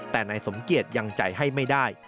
แต่นายสมเกียจยังใจให้ไม่ได้